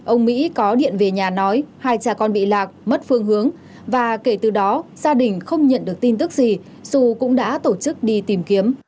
ông mỹ có điện về nhà nói hai cha con bị lạc mất phương hướng và kể từ đó gia đình không nhận được tin tức gì dù cũng đã tổ chức đi tìm kiếm